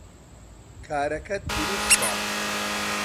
کارەکەت دروستە